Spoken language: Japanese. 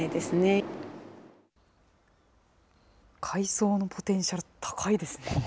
海藻のポテンシャル、高いですね。